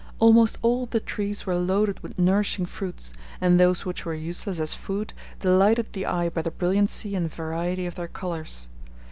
Almost all the trees were loaded with nourishing fruits, and those which were useless as food delighted the eye by the brilliancy and variety of their colors.